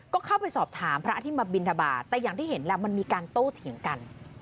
ก็เข้าไปสอบถามพระที่มาบินทบาทแต่อย่างที่เห็นแหละมันมีการโต้เถียงกัน